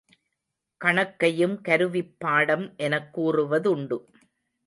கணக்கையும் கருவிப் பாடம் எனக் கூறுவதுண்டு.